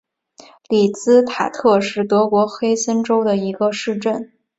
里茨塔特是德国黑森州的一个市镇。